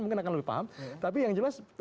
mungkin akan lebih paham tapi yang jelas